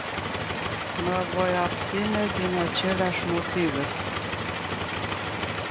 Mă voi abține din aceleași motive.